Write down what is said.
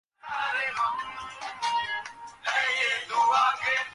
সুচরিতা কহিল, হাঁ, বিনয়বাবু লোকটি ভালো বৈকি– বেশ ভালোমানুষ।